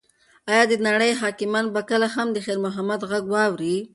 ایا د نړۍ حاکمان به کله د خیر محمد غږ واوري؟